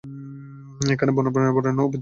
এখানে বন্যপ্রাণী অভয়ারণ্য-ও বিদ্যমান।